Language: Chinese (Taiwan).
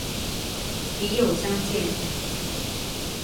筆友相見